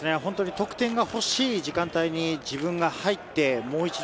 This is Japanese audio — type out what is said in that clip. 得点が欲しい時間帯に自分が入ってもう一度、